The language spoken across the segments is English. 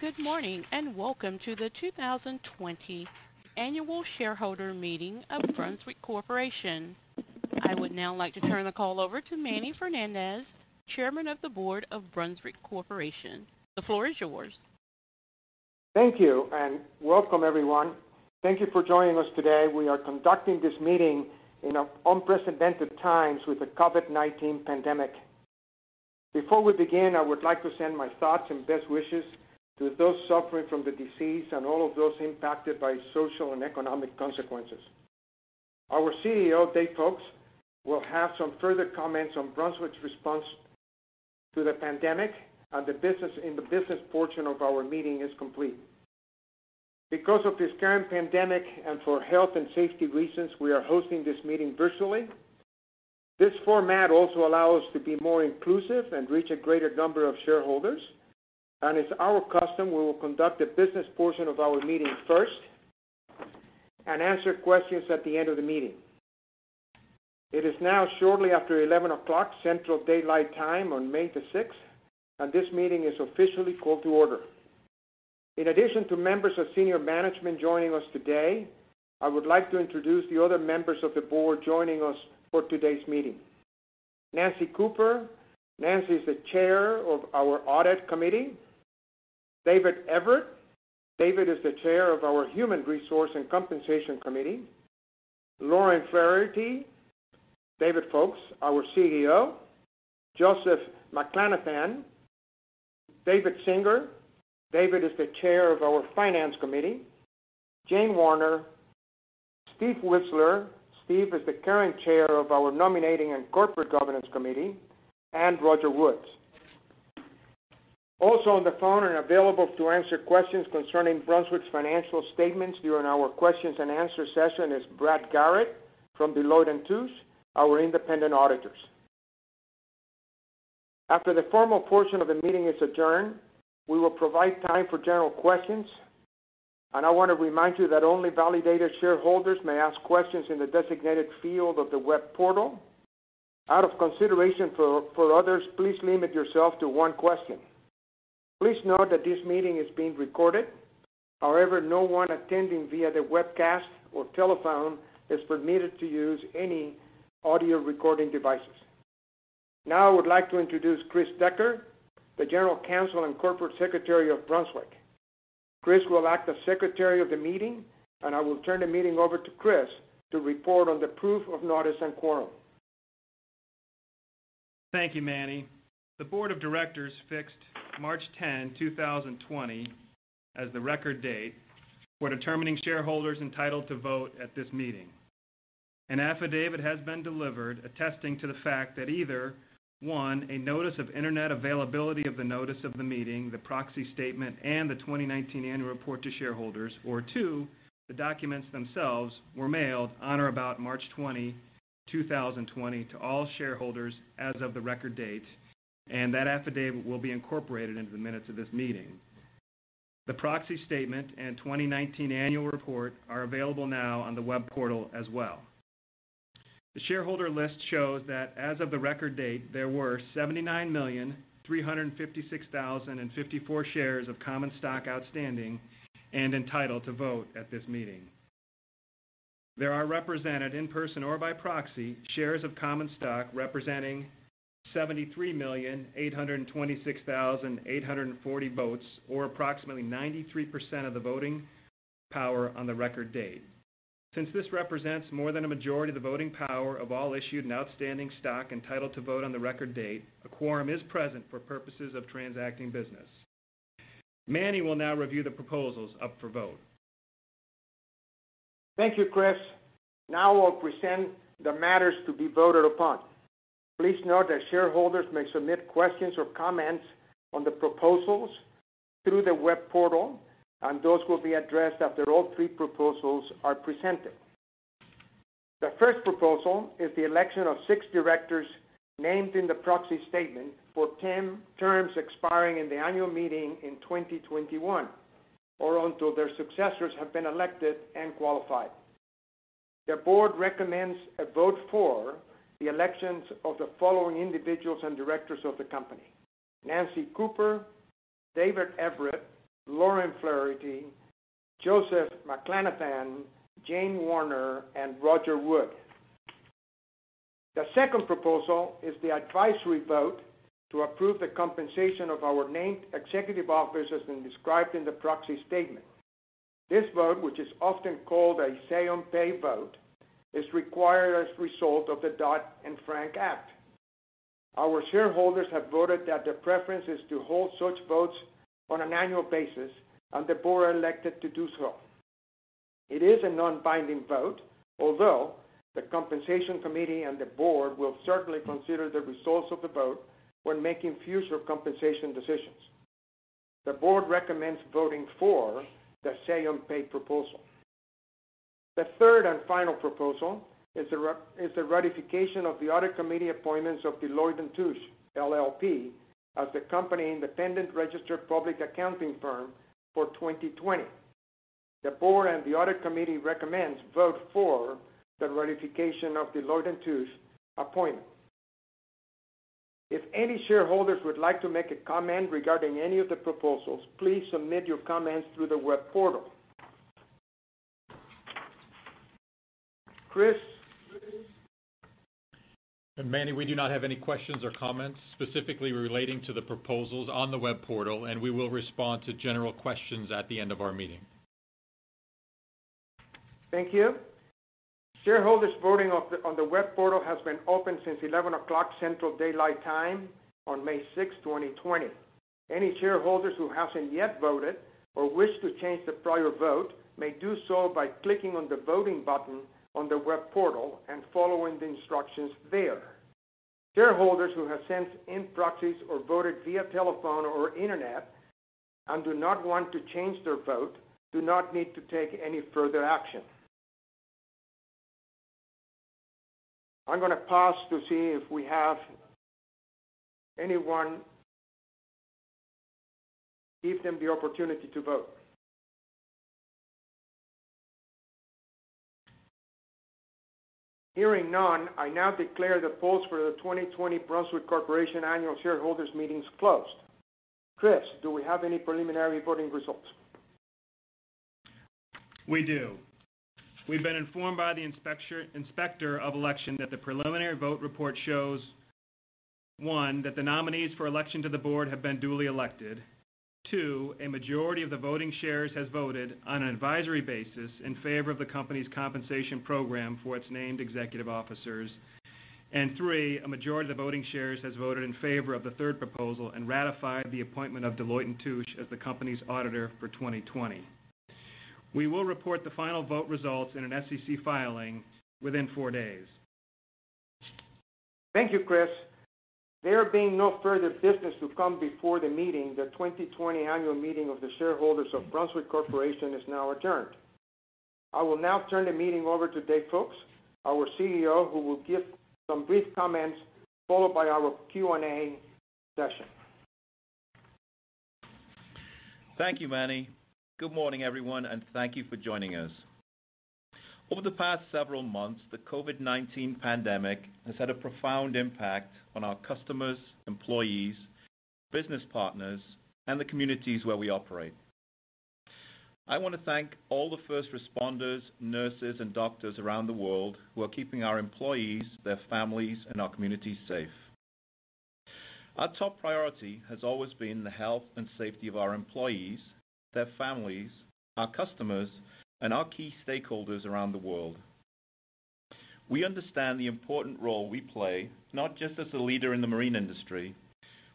Good morning and welcome to the 2020 Annual Shareholder Meeting of Brunswick Corporation. I would now like to turn the call over to Manny Fernandez, Chairman of the Board of Brunswick Corporation. The floor is yours. Thank you and welcome, everyone. Thank you for joining us today. We are conducting this meeting in unprecedented times with the COVID-19 pandemic. Before we begin, I would like to send my thoughts and best wishes to those suffering from the disease and all of those impacted by social and economic consequences. Our CEO, Dave Foulkes, will have some further comments on Brunswick's response to the pandemic, and the business portion of our meeting is complete. Because of this current pandemic and for health and safety reasons, we are hosting this meeting virtually. This format also allows us to be more inclusive and reach a greater number of shareholders, and it's our custom we will conduct the business portion of our meeting first and answer questions at the end of the meeting. It is now shortly after 11:00 A.M. Central Daylight Time on May the 6th, and this meeting is officially called to order. In addition to members of senior management joining us today, I would like to introduce the other members of the board joining us for today's meeting: Nancy Cooper. Nancy is the chair of our audit committee. David Everitt. David is the chair of our human resource and compensation committee. Lauren Flaherty. David Foulkes, our CEO. Joseph McClanathan. David Singer. David is the chair of our finance committee. Jane Warner. Steve Whisler. Steve is the current chair of our nominating and corporate governance committee. And Roger Wood. Also on the phone and available to answer questions concerning Brunswick's financial statements during our questions and answers session is Brett Garrett from Deloitte & Touche, our independent auditors. After the formal portion of the meeting is adjourned, we will provide time for general questions, and I want to remind you that only validated shareholders may ask questions in the designated field of the web portal. Out of consideration for others, please limit yourself to one question. Please note that this meeting is being recorded. However, no one attending via the webcast or telephone is permitted to use any audio recording devices. Now, I would like to introduce Chris Decker, the General Counsel and Corporate Secretary of Brunswick. Chris will act as secretary of the meeting, and I will turn the meeting over to Chris to report on the proof of notice and quorum. Thank you, Manny. The board of directors fixed March 10, 2020, as the record date for determining shareholders entitled to vote at this meeting. An affidavit has been delivered attesting to the fact that either, one, a notice of internet availability of the notice of the meeting, the proxy statement, and the 2019 annual report to shareholders, or two, the documents themselves were mailed on or about March 20, 2020, to all shareholders as of the record date, and that affidavit will be incorporated into the minutes of this meeting. The proxy statement and 2019 annual report are available now on the web portal as well. The shareholder list shows that as of the record date, there were 79,356,054 shares of common stock outstanding and entitled to vote at this meeting. There are represented, in person or by proxy, shares of common stock representing 73,826,840 votes, or approximately 93% of the voting power on the record date. Since this represents more than a majority of the voting power of all issued and outstanding stock entitled to vote on the record date, a quorum is present for purposes of transacting business. Manny will now review the proposals up for vote. Thank you, Chris. Now, I'll present the matters to be voted upon. Please note that shareholders may submit questions or comments on the proposals through the web portal, and those will be addressed after all three proposals are presented. The first proposal is the election of six directors named in the proxy statement for 10 terms expiring in the annual meeting in 2021 or until their successors have been elected and qualified. The Board recommends a vote for the elections of the following individuals as directors of the company: Nancy Cooper, David Everitt, Lauren Flaherty, Joseph McClanathan, Jane Warner, and Roger Wood. The second proposal is the advisory vote to approve the compensation of our named executive officers as described in the proxy statement. This vote, which is often called a say-on-pay vote, is required as a result of the Dodd-Frank Act. Our shareholders have voted that the preference is to hold such votes on an annual basis, and the board elected to do so. It is a non-binding vote, although the compensation committee and the board will certainly consider the results of the vote when making future compensation decisions. The board recommends voting for the say-on-pay proposal. The third and final proposal is the ratification of the audit committee's appointment of Deloitte & Touche LLP as the Company's independent registered public accounting firm for 2020. The board and the audit committee recommend a vote for the ratification of Deloitte & Touche LLP's appointment. If any shareholders would like to make a comment regarding any of the proposals, please submit your comments through the web portal. Chris. Manny, we do not have any questions or comments specifically relating to the proposals on the web portal, and we will respond to general questions at the end of our meeting. Thank you. Shareholders voting on the web portal has been open since 11:00 A.M. Central Daylight Time on May 6, 2020. Any shareholders who haven't yet voted or wish to change the prior vote may do so by clicking on the voting button on the web portal and following the instructions there. Shareholders who have sent in proxies or voted via telephone or internet and do not want to change their vote do not need to take any further action. I'm going to pause to see if we have anyone give them the opportunity to vote. Hearing none, I now declare the polls for the 2020 Brunswick Corporation Annual Shareholders Meeting closed. Chris, do we have any preliminary voting results? We do. We've been informed by the inspector of election that the preliminary vote report shows, one, that the nominees for election to the board have been duly elected. Two, a majority of the voting shares has voted on an advisory basis in favor of the company's compensation program for its named executive officers. And three, a majority of the voting shares has voted in favor of the third proposal and ratified the appointment of Deloitte and Touche as the company's auditor for 2020. We will report the final vote results in an SEC filing within four days. Thank you, Chris. There being no further business to come before the meeting, the 2020 annual meeting of the shareholders of Brunswick Corporation is now adjourned. I will now turn the meeting over to Dave Foulkes, our CEO, who will give some brief comments followed by our Q&A session. Thank you, Manny. Good morning, everyone, and thank you for joining us. Over the past several months, the COVID-19 pandemic has had a profound impact on our customers, employees, business partners, and the communities where we operate. I want to thank all the first responders, nurses, and doctors around the world who are keeping our employees, their families, and our communities safe. Our top priority has always been the health and safety of our employees, their families, our customers, and our key stakeholders around the world. We understand the important role we play, not just as a leader in the marine industry,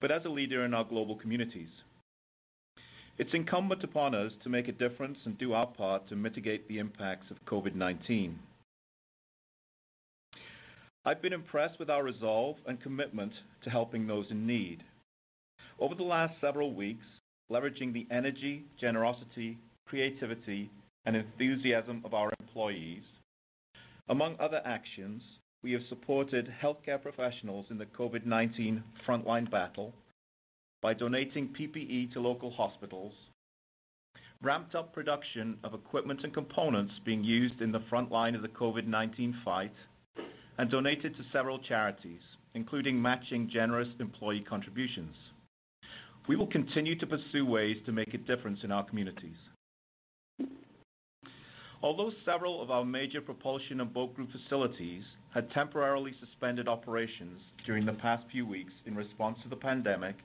but as a leader in our global communities. It's incumbent upon us to make a difference and do our part to mitigate the impacts of COVID-19. I've been impressed with our resolve and commitment to helping those in need. Over the last several weeks, leveraging the energy, generosity, creativity, and enthusiasm of our employees, among other actions, we have supported healthcare professionals in the COVID-19 frontline battle by donating PPE to local hospitals, ramped up production of equipment and components being used in the frontline of the COVID-19 fight, and donated to several charities, including matching generous employee contributions. We will continue to pursue ways to make a difference in our communities. Although several of our major propulsion and boat group facilities had temporarily suspended operations during the past few weeks in response to the pandemic,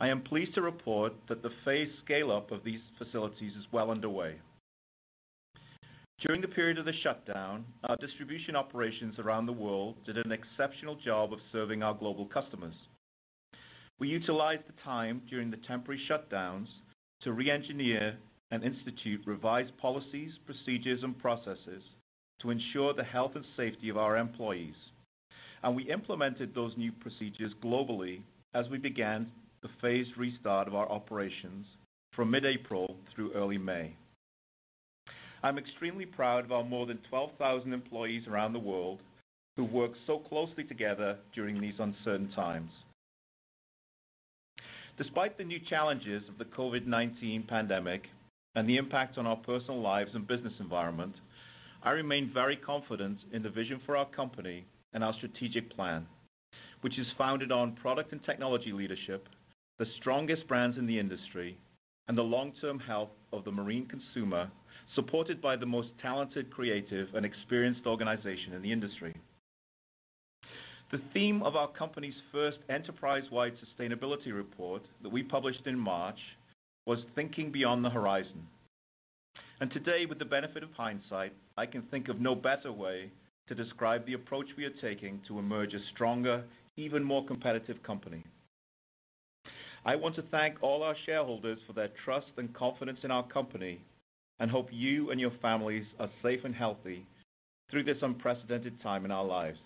I am pleased to report that the phased scale-up of these facilities is well underway. During the period of the shutdown, our distribution operations around the world did an exceptional job of serving our global customers. We utilized the time during the temporary shutdowns to re-engineer and institute revised policies, procedures, and processes to ensure the health and safety of our employees, and we implemented those new procedures globally as we began the phased restart of our operations from mid-April through early May. I'm extremely proud of our more than 12,000 employees around the world who work so closely together during these uncertain times. Despite the new challenges of the COVID-19 pandemic and the impact on our personal lives and business environment, I remain very confident in the vision for our company and our strategic plan, which is founded on product and technology leadership, the strongest brands in the industry, and the long-term health of the marine consumer supported by the most talented, creative, and experienced organization in the industry. The theme of our company's first enterprise-wide sustainability report that we published in March was "Thinking Beyond the Horizon," and today, with the benefit of hindsight, I can think of no better way to describe the approach we are taking to emerge a stronger, even more competitive company. I want to thank all our shareholders for their trust and confidence in our company and hope you and your families are safe and healthy through this unprecedented time in our lives.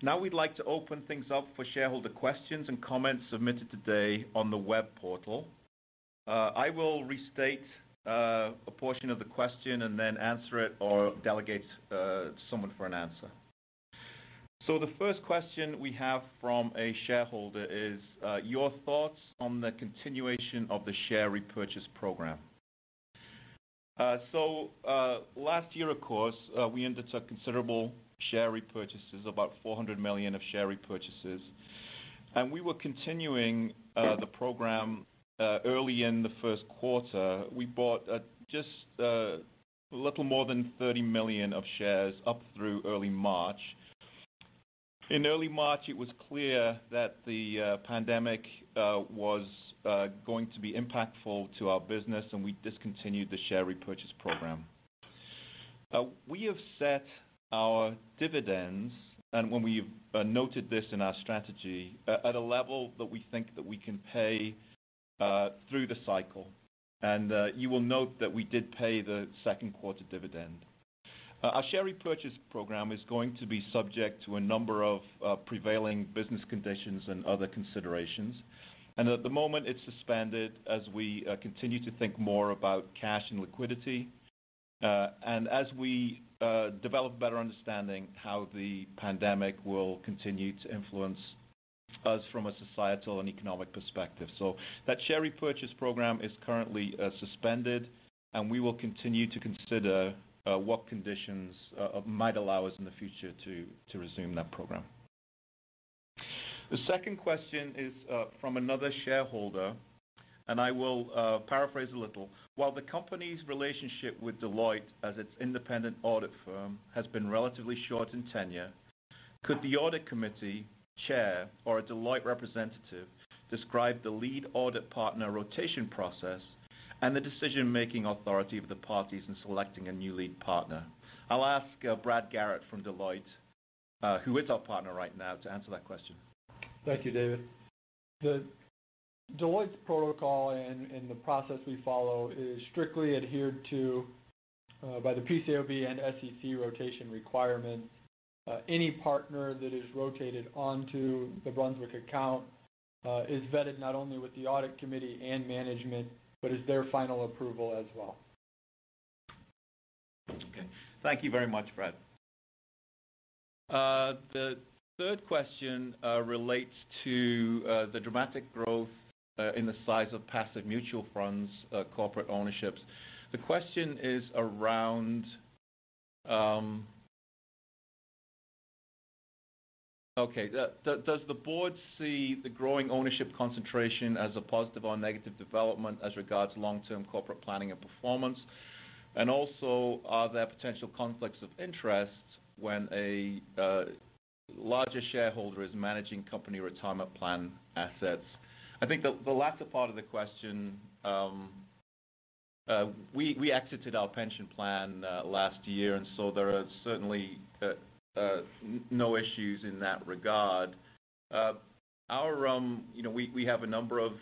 Now, we'd like to open things up for shareholder questions and comments submitted today on the web portal. I will restate a portion of the question and then answer it or delegate someone for an answer, so the first question we have from a shareholder is your thoughts on the continuation of the share repurchase program. Last year, of course, we undertook considerable share repurchases, about $400 million of share repurchases, and we were continuing the program early in the first quarter. We bought just a little more than $30 million of shares up through early March. In early March, it was clear that the pandemic was going to be impactful to our business, and we discontinued the share repurchase program. We have set our dividends, and we've noted this in our strategy, at a level that we think that we can pay through the cycle, and you will note that we did pay the second quarter dividend. Our share repurchase program is going to be subject to a number of prevailing business conditions and other considerations, and at the moment, it's suspended as we continue to think more about cash and liquidity and as we develop a better understanding of how the pandemic will continue to influence us from a societal and economic perspective. So that share repurchase program is currently suspended, and we will continue to consider what conditions might allow us in the future to resume that program. The second question is from another shareholder, and I will paraphrase a little. While the company's relationship with Deloitte as its independent audit firm has been relatively short in tenure, could the audit committee chair or a Deloitte representative describe the lead audit partner rotation process and the decision-making authority of the parties in selecting a new lead partner? I'll ask Brett Garrett from Deloitte, who is our partner right now, to answer that question. Thank you, David. The Deloitte protocol and the process we follow is strictly adhered to by the PCAOB and SEC rotation requirements. Any partner that is rotated onto the Brunswick account is vetted not only with the audit committee and management, but is their final approval as well. Okay. Thank you very much, Brett. The third question relates to the dramatic growth in the size of passive mutual funds corporate ownerships. The question is around, okay, does the board see the growing ownership concentration as a positive or negative development as regards long-term corporate planning and performance? And also, are there potential conflicts of interest when a larger shareholder is managing company retirement plan assets? I think the latter part of the question, we exited our pension plan last year, and so there are certainly no issues in that regard. We have a number of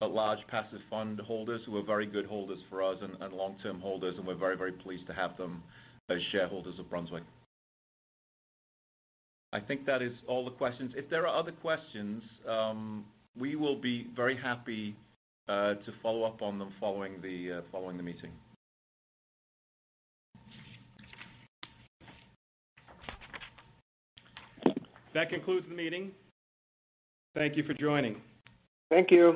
large passive fund holders who are very good holders for us and long-term holders, and we're very, very pleased to have them as shareholders of Brunswick. I think that is all the questions. If there are other questions, we will be very happy to follow up on them following the meeting. That concludes the meeting. Thank you for joining. Thank you.